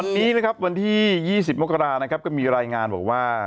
วันนี้นะครับวันที่๒๐มกรานะครับก็มีรายงานบอกว่า